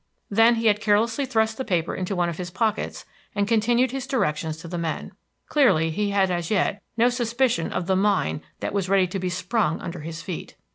Then he had carelessly thrust the paper into one of his pockets and continued his directions to the men. Clearly he had as yet no suspicion of the mine that was ready to be sprung under his feet.